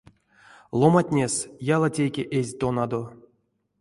Ломантнес ялатеке эзь тонадо.